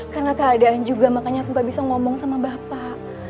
karena keadaan juga makanya aku gak bisa ngomong sama bapak